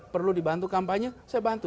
perlu dibantu kampanye saya bantu